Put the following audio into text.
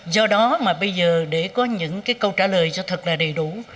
do đó mà bây giờ để có những cái câu trả lời cho thật là đầy đủ